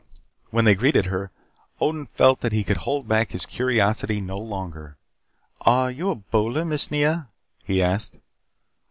When they greeted her, Odin felt that he could hold back his curiosity no longer. "Are you a bowler, Miss Nea?" he asked.